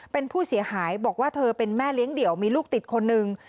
เป็นผู้เสียหายบอกว่าเธอเป็นแม่เลี้ยงเดี่ยวมีลูกติดคนหนึ่ง